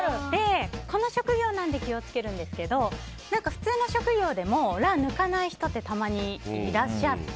この職業なので気を付けるんですけど普通の職業でもらを抜かない人ってたまにいらっしゃって。